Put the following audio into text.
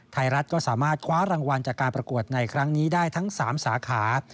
ไทยรัฐก็สามารถคว้ารางวัลจากการประกวดในครั้งนี้ได้ทั้ง๓สาขา